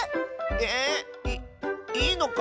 えっ⁉いいいのか？